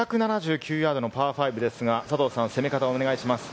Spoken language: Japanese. ５７９ヤードのパー５ですが、攻め方をお願いします。